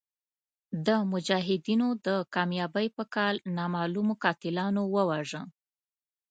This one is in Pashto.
د مجاهدینو د کامیابۍ په کال نامعلومو قاتلانو وواژه.